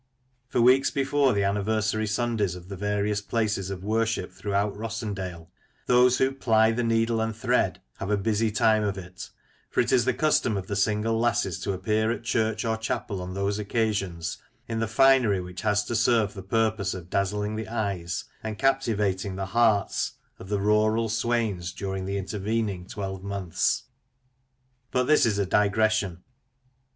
For weeks before the anniversary Sundays of the various places of worship throughout Rossendale, those who " ply the needle and thread " have a busy time of it ; for it is the custom of the single lasses to appear at church or chapel on those occasions in the finery which has to serve the purpose of dazzling the eyes and captivating the hearts of the rural The Larks of Dean, 91 swains during the intervening twelve months. But this is a di^ession.